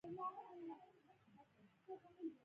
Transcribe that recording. زه حیران شوم چې دلته څو لمونځونه کېږي.